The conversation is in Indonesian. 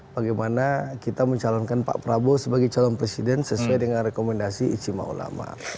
bagaimana kita mencalonkan pak prabowo sebagai calon presiden sesuai dengan rekomendasi ijtima ulama